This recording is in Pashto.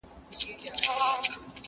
o د غله ځاى په غره کي نه پيدا کېږي!